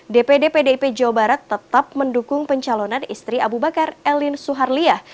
dpd pdip jawa barat tetap mendukung pencalonan istri abu bakar elin suharliah